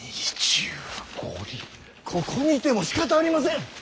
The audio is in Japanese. ここにいてもしかたありません。